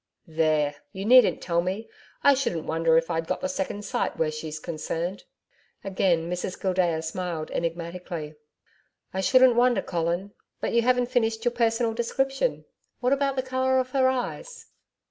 'There! You needn't tell me. I shouldn't wonder if I'd got the second sight where SHE'S concerned.' Again Mrs Gildea smiled enigmatically. 'I shouldn't wonder, Colin. But you haven't finished your personal description. What about the colour of her eyes?'